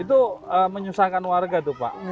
itu menyusahkan warga tuh pak